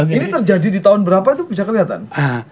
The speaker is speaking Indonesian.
ini terjadi di tahun berapa itu bisa kelihatan